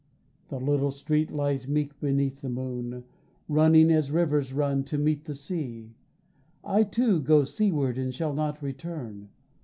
The little street lies meek beneath the moon, Running, as rivers run, to meet the sea. I too go seaward and shall not return.